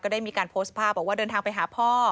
ได้มีการโพสต์ภาพบอกว่าเดินทางไปหาพ่อ